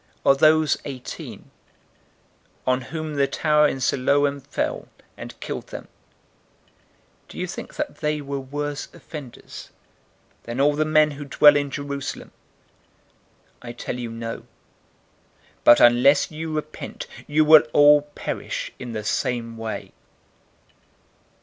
013:004 Or those eighteen, on whom the tower in Siloam fell, and killed them; do you think that they were worse offenders than all the men who dwell in Jerusalem? 013:005 I tell you, no, but, unless you repent, you will all perish in the same way."